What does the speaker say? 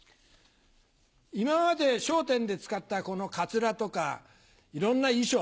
今まで『笑点』で使ったこのカツラとかいろんな衣装